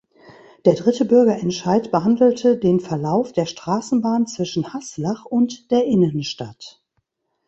Der dritte Bürgerentscheid behandelte den Verlauf der Straßenbahn zwischen Haslach und der Innenstadt.